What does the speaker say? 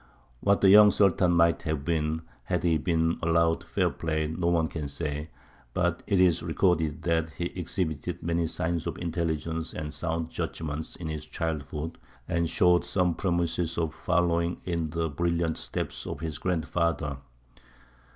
What the young Sultan might have been, had he been allowed fair play, no one can say; but it is recorded that he exhibited many signs of intelligence and sound judgment in his childhood, and showed some promise of following in the brilliant steps of his grandfather.